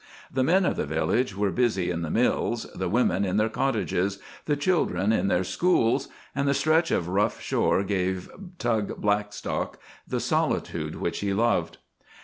The men of the village were busy in the mills, the women in their cottages, the children in their schools; and the stretch of rough shore gave Tug Blackstock the solitude which he loved.